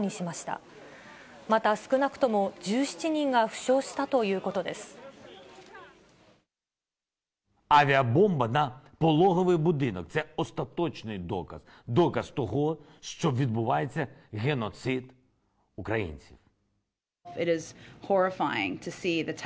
また、少なくとも１７人が負傷したということです。